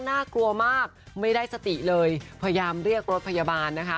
น่ากลัวมากไม่ได้สติเลยพยายามเรียกรถพยาบาลนะคะ